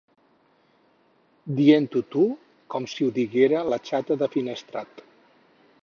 Dient-ho tu, com si ho diguera la xata de Finestrat.